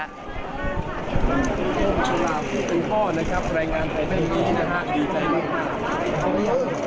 คุณพ่อนะครับรายงานไทยที่นี่นะฮะ